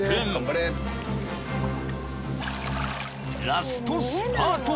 ［ラストスパート！］